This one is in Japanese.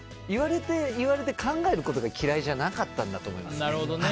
言われて、考えることが嫌いじゃなかったんだと思います。